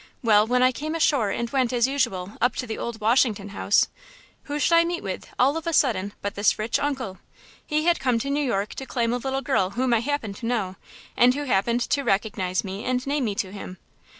Well, when I came ashore and went, as usual, up to the old Washington House, who should I meet with, all of a sudden, but this rich uncle. He had come to New York to claim a little girl whom I happened to know, and who happened to recognize me and name me to him.